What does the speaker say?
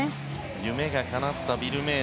夢がかなったビル・メイ。